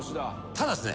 ただですね